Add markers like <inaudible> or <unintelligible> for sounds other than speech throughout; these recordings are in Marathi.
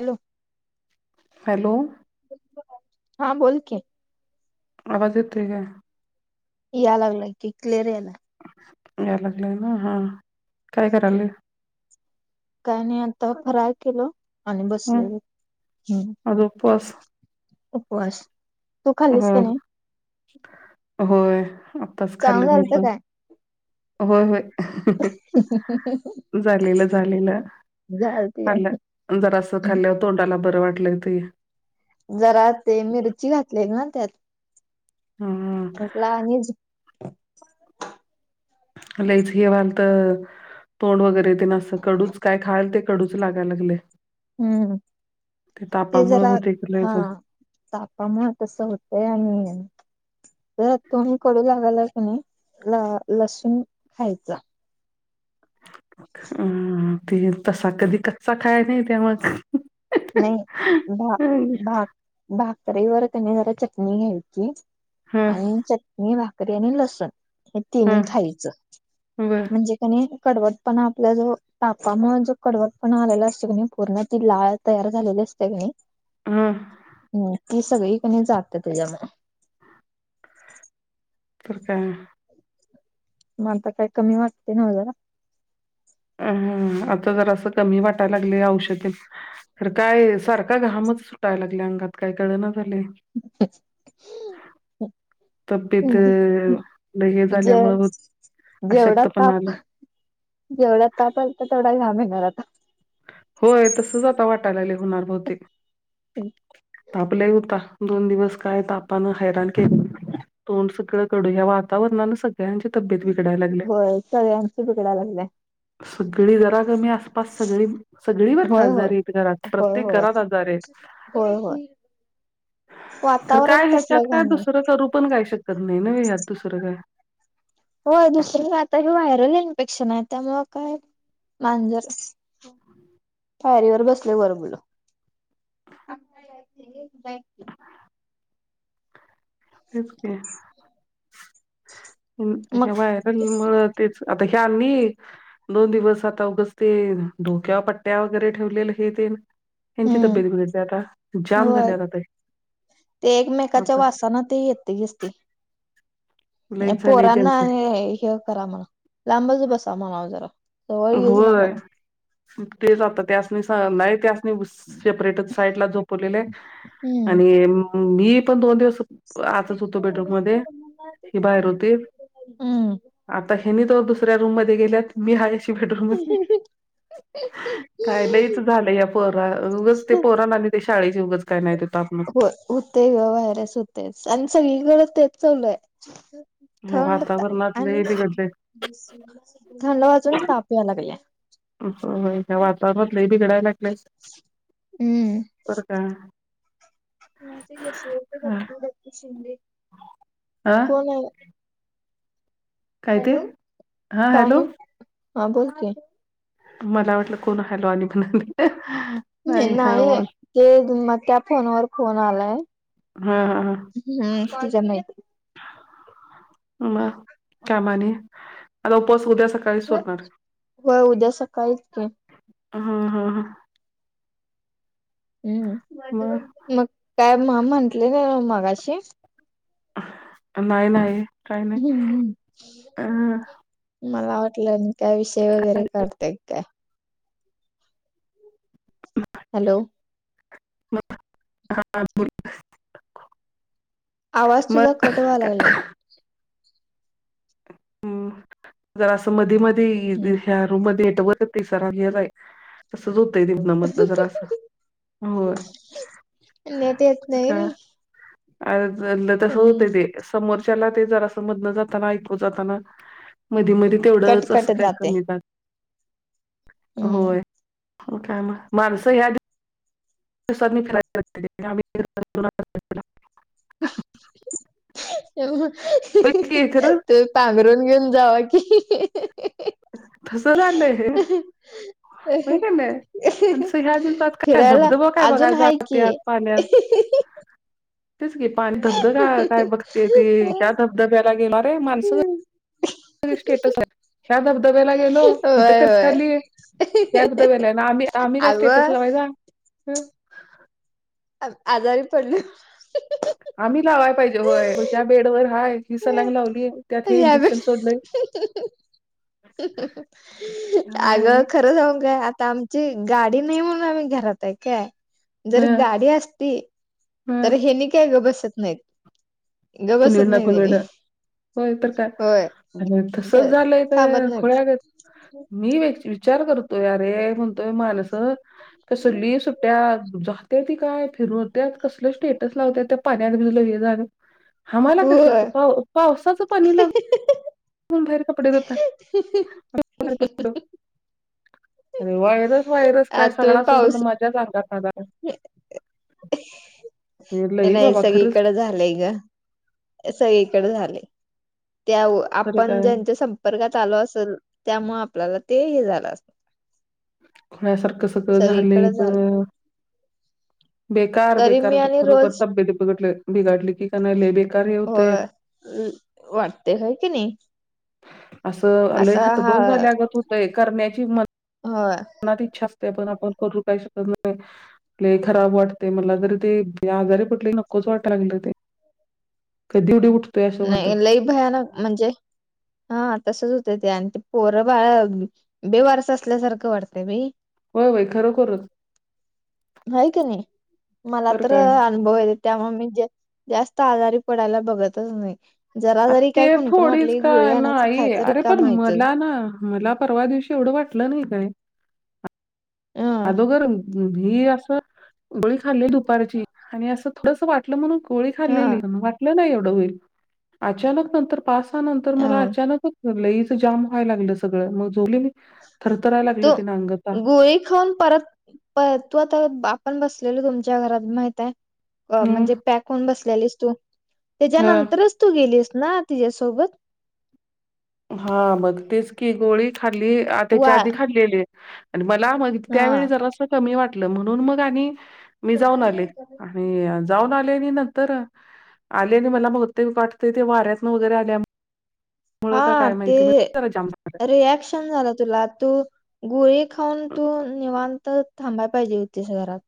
हॅलो. हॅलो. हा बोल की. आवाज येतोय काय. या लागलं की क्लिअर यायलाय. क्लिअर येतोय ना हा, काय कराल्या? काय नाही आता फराळ केलो आणि हं बसलेलो, हं आज उपवास उपवास तू हो खाल्लीस का नाही होय, आत्ताच चांगलं खाल्लं मी झालतं पण. काय होय, होय झालेलं, झालेलं झालती आहे आलं जरा असं खाल्ल्य तोंडाला बरं वाटलं ते जरा ते मिरची घातले ना त्यात हा म्हटल आणि लईच हे व्हायलत तोंड वगैरे तेन असं कडूच काय खायल ते कडूच लागयला लागलय हम्म ते तापामुळं जरा होतय की लई हा असं तापामुळं तसं होतंय आणि तर तोंड कडू लागाला क नाही ला लसूण खायचा अम ते तसा कधी कच्चा खाय नाही त्या मग नाही भा भा भाकरीवर कनाई जरा चटणी घ्यायची हं हं आणि चटणी, भाकरी आणि लसूण हे तिनी हं खायचं बर म्हणजे त्यानी कडवटपणा आपला जो तापामुळे जो कडवटपणा आलेला असत कणी पूर्ण ती लाळ तयार झालेली असत्या कनाई हम हम् ती सगळी कनाइ जाती त्याच्यामुळे <unintelligible> तर काय मग आता काय कमी वाटतंय नव्ह जरा आता जरा असं कमी वाटाला लागलय औषध तर काय सारखा घामच सुटायला लागलय अंगात काय कळना झालय <unintelligible> तब्येत <unintelligible> अ, लय हे झाल्यामुळं जेवढा अशक्तपणा ताप आल्या जेवढा ताप आलता तेवढा ताप येणार आता होय तसंच आता वाटायलाले होणार बहतेक ताप लय होता दोन दिवस काय तापान हैराण केलं तोंड सगळं कडू या वातावरणान सगळ सगळ्यांची तब्येत बिघडायला लागल्या होय सगळ्यांच बिघडायला लागलंय सगळी जरा कमी आसपास सगळी सगळीवरच होय होय आजारी आहेत घरात होय प्रत्येक होय घरात आजारी आहेत होय होय तर वातावरण काय ह्याच्यात तसलं काय झालंय दुसरं करू पण काही शकत नाही ना ह्यात दुसरं काय होय दुसरं आता हे व्हायरल इन्फेक्शन आहे त्यामुळं काय मांजर पायरीवर बसलय वर बोलाव तेच की मग ह्या व्हायरल मुळं तेच आता हे आम्ही दोन दिवस आता ऊगच ते डोक्यावर पट्ट्या वगैरे ठेवलेल हे तेन त्यांची हम्म तब्येत बिघडली आता जाम झाली होय आता ते ते एकमेकाच्या वासाना ते येत हेच ते आणि लईच झालंय पोरांना त्यांचं हे करा म्हणाव लांबच बसा म्हणाव जरा जवळ येऊच नका होय म्हण तेच त्यास नी स नाही त्या सेपरेट साईड ला झोपवलेले हम्म आणि मी पण दोन दिवस आताच होतो बेडरूम मध्ये हि बाहेर होती हम्म आता हेनी तो दुसऱ्या रूम मध्ये गेल्यात मी आहे अशी बेडरूम मध्ये. खायला या पोरांचं काय त्या उगाच पोरांचं शाळेचा काय तुम्ही टाकलं हो तो. होते ग, व्हायरस होते आणि सगळी कडे तेच सुरू आहे. ह्या थंड वातावरणात आणि लय बिघडलंय थंड वाजून ताप यायला लागला. हो वातावरण लय बिघडायला लागलेय. हम्म बरं का? <unintelligible> शिंदे हा कोण आहे? काय ते हॅलो! हा काय हॅलो नाही, हा बोल की? मला वाटलं आणि कोण हॅलो म्हणाले. हा नाही बोल ते मग त्या फोनवर फोन आलाय. हा हा ह हम्म तुझ माहिती. हा कामाने आता उद्या उपास. होय, उद्या सकाळीच की. हम् हम ह मग काय म्हटले ग मगाशी? नाही नाही. काही नाही हम्म अ हम् मला वाटलं. काय विषय वेगळे काढताय की काय? हॅलो! <unintelligible> आवाज तुझा कट व्हाय लागलाय मग हम् जरा असं मधी मधी हम्म ह्या रूम मध्ये नेटवर्क प्रिसर गेलाय. तसंच होतंय, मधलं जरा असं होय. नेट येत नाही नाही. तसच होते ते समोरच्याला ते जरा मधन जाताना ऐकू. ऐकू जाताना मधे मधे कट कट असं जाते जरा. हम्म होय काय माणसं ह्यात. <unintelligible> होय की खरं त <unintelligible> पांघरून घेऊन जावा की. तस झालंय वय कानी. फिरायला काय अजून बघाय आहे की. जात्यात सध्या काय धबधबा होय काय बघते रे या धबधब्याला गेली माणसं. स्टेटस आहे. ह्या धबधब्याला गेलो इथं कच होय काढली. आम्ही आम्ही काय स्टेटस अगं लावायचा. आजारी पडलोय म्हणून आम्ही लावायला पाहिजे होय तुझ्याबेडवर आहे हिला सलाईन लावली त्यात हे इंजेक्शन यावेळी सोडलंय. हाय अगं खरं सांगू काय आता आमचं. गाडी नाही म्हणून आम्ही घरात आहे. काय जर ह गाडी असती. ह तर हेनी काय गप्प बसत नाहीत, गप्प कुणीड बसत ना नाहीत कुणीड हेनी. होय तर काय! होय अ तस ज- झालंय थांबत तर नाही खुळ्यागत. मी विचार करतोय, अरे म्हणतोय माणस कसली सुट्ट्या. हां, जात्या ती काय, फिरत्यात कसलं स्टेटस लावत्यात पाण्यात भिजलं हे झालं. आम्हाला कशाच होय पाव, पावसाचं पाणी लाग म्हणून बाहेर कपडे धुताय. धु <inaudible> अरे व्हायरस व्हायरस काय, सगळा सोडून माझ्याच अंगात आला व्हय. ये लई नाही बाबा खरंच सगळीकडे झालंय गं. सगळीकडे झालंय, त्या वो तरी आपण काय ज्यांच्या संप संपर्कात आलो असलं, त्यामुळं आपल्याला ते हे झालं असलं. खुळ्या सारखं सगळं झालंय सगळीकडे झालं गं. बेकार तरी बेकार मी आणि खरोखर रोज तब्येत बिघडल, बिघाडली की लय बेकार हे होतय. वाटतंय होय कणी. असं लय हतबल झाल्यागत होतय करण्याची हिंमत होय, मनात इच्छा असते पण आपण करू काही शकत नाही लय खराब वाटतेय मला तर ते ये आजारी कुटली नकोच वाटाय लागलंय ते. कधी येवढी उठ नाही लई भयानक, म्हणजे हां तसच होतंय ते आणि ते पोरं बाळं बेवारस असल्यासारखं वाटतंय बई. होय होय खरोखरच व्हय कणी, मला तर अनुभव आलेत. त्यामुळं मी जास्त, जास्त आजारी पडायला बघतच नाही. जरा आता जरी ते काय कुणकुण थोडीच वाटली का गोळी आणायचं नाही, खायचं अरे रिकाम पण व्हायचं मला ना. मला परवा दिवशी एवढं वाटलं नाही काय. अ अदोगर, ही असं गोळी खाल्ली दुपारची आणि असं थोडस वाटलं म्हणून गोळी हा खाल्लेली वाटलं नाही एवढं होईल अचानक नंतर पासानंतर मला अ अचानकच लयच जाम व्हाय लागलं सगळं मग झोपले मी. थरथरायला तु लागलं ते अंग आता गोळी खाऊन परत, पर तू आता आपण बसलेल तुमच्या घरात माहिती आहे? अ म्हणजे हम्म पॅक होऊन बसल्यालीस तू, अ त्याच्यानंतरच तू गेलीस ना तिच्यासोबत. हा मगं तेच की गोळी खाल्ली आं त्याच्या वा आधी खाल्लीली. आणि मला मग हा त्यावेळी जरासं कमी वाटलं म्हणून मग आणि मी जाऊन आले आणि जाऊन आले आणि नंतर आले आणि मला बहुतेक वाटतेय ते वाऱ्यातन वगैरे आल्या हां, ते जरा जाम झालं. रिॲक्शन झालं तुला. तू, गुळी खाऊन तू निवांत थांबायला पाहिजे होतीस घरात.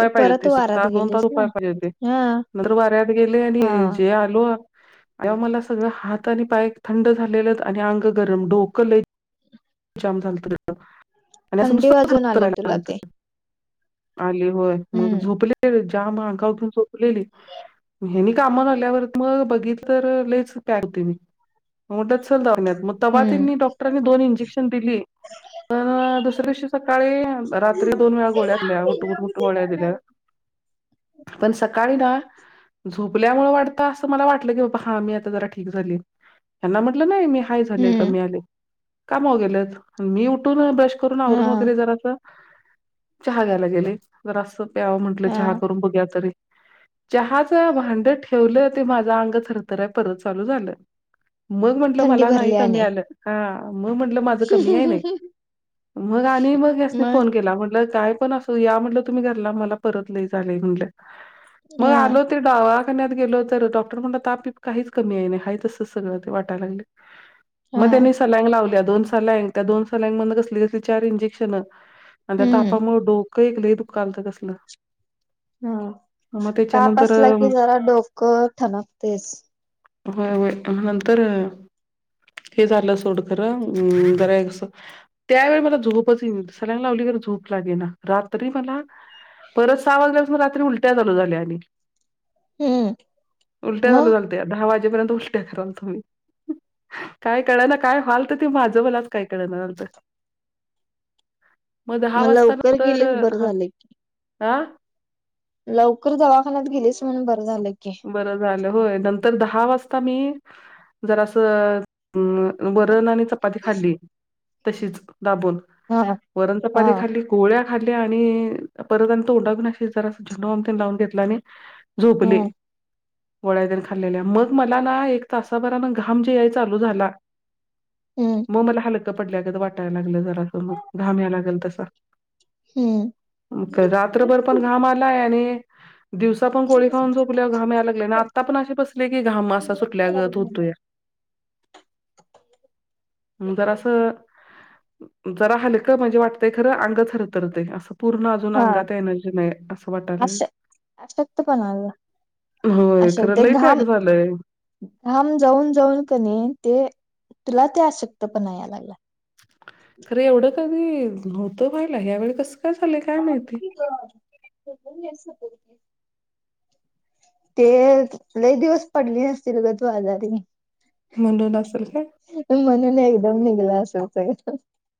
तू पाहिजे परत होतीस एक वारात तास दोन तास गेलीस ना झोपाय पाहिजे होतीस. हा नंतर वाऱ्यात गेले आणि हा जे आलो तेंव्हा मला सगळं हात आणि पाय थंड झालेलंत आणि अंग गरम डोक लय जाम झालत लयं आणि असं थंडी नुसतं वाजून आले तुला थरथरलालत. ते आली होय, मग हम्म झोपले ज्याम अंगावर घेऊन झोपलेली हेनी काम झाल्यावर मग बघितलं तर लयच होतंय आणखी मी, मदत चल दवाखान्यात तेव्हा हम्म त्यांनी डॉक्टरांनी दोन इंजेक्शन दिली. अं, दुसऱ्या दिवशी सकाळी रात्री दोन वेळा गोळ्या दिल्या उठवुन उठ गोळ्या दिल्या. <inaudible> पण सकाळी ना झोपल्यामुळे वाटतं असं मला वाटलं की बाबा हा मी आता जरा ठीक झालीय. त्यांना म्हटलं नाही मी काय झालंय हम्म कमी आले. <unintelligible> गेलेत मी उठून ब्रश करून आवरून हा वगैरे जरास चहा घ्यायला गेले. जरास प्यावं म्हटलं चहा हा करून बघुया तरी. चहाचं भांड ठेवलं ते माझं अंग थरथराय परत चालू झालं. मग म्हंटलं थंडी मला नाही भरली कमी आणि आलं, हां. मग म्हटलं माझ कमी याय नायी मग आणि मग ह्यास्नी फोन केला म्हटलं काय पण असु या म्हटलं तुम्ही घरला मला परत लयी झालय म्हणंल, मग हा आलो ते दवाखान्यात गेलो तर डॉक्टर म्हणला ताप बीप काहीच कमी येईना आहे तसंच सगळं ते वाटयं लागलंय. <inaudible> मग त्यांनी सलाईगं लावल्या दोन सलाईगं त्या दोन सलाईन मधनं कसली कसली चार इंजेक्शन. अन् त्या हम्म तापामुळं डोकं एक लय दुकालतं कसलं. हा मग ताप त्याच्यानंतर असला की जरा डोकं ठणकतंयचं. व्हय व्हय, अन् नंतर हे झालं सोड. नंतर जरा एक त्यावेळी मला झोपचं हे येईना सलाईन लावली खरं झोप लागेना. रात्री मला परत सहा वाजल्यापासून रात्री उलट्या चालू झाल्या आणि हम्म उलट्या चालू मग झाल्या. ते दहा वाजेपर्यंत उलट्या करालतो मी काय कळना काय व्हाल तं ते माझं मलाचं काय कळना झालतं. मग दहा वाजता लवकर नंतर गेलेच बरं हा, झालं की. आं? लवकर दवाखान्यात गेलीस म्हणून बरं झालं की. बरं झालं होय नंतर दहा वाजता मी जरांस अं वरण आणि चपाती खाल्ली तशीच दाबून. हा हा वरण चपाती हा खाल्ली गोळ्या खाल्ल्या आणि परत आणि तोंडातून अशी जरास झेंडूबाम तेन लावून घेतला आणि झोपले. हम्म गोळ्या तेन खाल्लेल्या मग मला ना एक तासाबरानं घाम जे याय चालू झाला. मग मला हलकं पडल्यागत वाटायला लागलं जरास मग घाम याय लागल तसा. हम्म. मग काय रात्रभर पण घाम आलाय आणि दिवसा पण गोळी खाऊन झो पल्या घाम याय लागला आणि आता पण असे बसले की घाम असा सुटल्यागत होतोया. मग जरासं जरा हलकं म्हणजे वाटतंय खर आंग थरथरतंय असं पूर्ण आ जून हा अंगात एनर्जी नाही आसं वाटाय लागलंय. आशक्तपणा ग. होय खरं लयी पॅक झालंय. घाम जाऊन जाऊन क णी ते तुला ते आशक्तपणा याय लागलायं. खरं एवढं कधी नव्हतं व्हायला ह्यवेळी कस <unintelligible> तेच लई दिवस पडली नसतील ग तू आजारी. म्हणून असल? म्हनून एकदम निघलं असल सगळं.